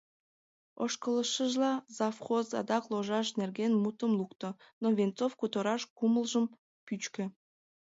Ошкылшыжла, завхоз адак ложаш нерген мутым лукто, но Венцов кутыраш кумылжым пӱчкӧ.